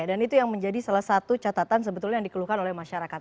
dan itu yang menjadi salah satu catatan sebetulnya yang dikeluhkan oleh masyarakat